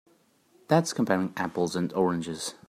That's comparing apples and oranges.